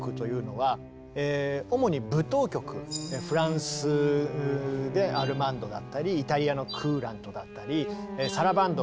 このフランスで「アルマンド」だったりイタリアの「クーラント」だったり「サラバンド」